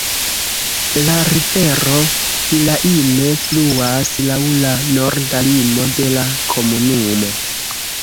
La rivero Vilaine fluas laŭ la norda limo de la komunumo.